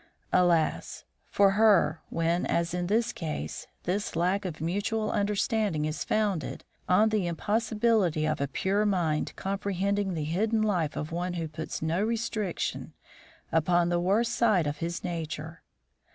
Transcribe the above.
Alas! for her when, as in this case, this lack of mutual understanding is founded on the impossibility of a pure mind comprehending the hidden life of one who puts no restriction upon the worst side of his nature.